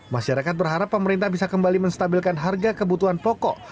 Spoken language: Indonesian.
masyarakat berharap pemerintah bisa kembali menstabilkan harga kebutuhan pokok